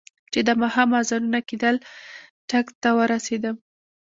چې د ماښام اذانونه کېدل، ټک ته ورسېدم.